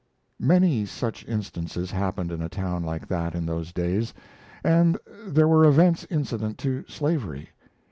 Many such instances happened in a town like that in those days. And there were events incident to slavery.